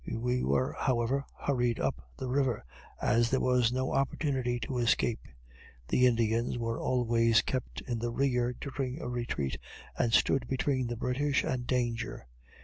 We were, however, hurried up the river, as there was no opportunity to escape. The Indians were always kept in the rear during a retreat, and stood between the British and danger.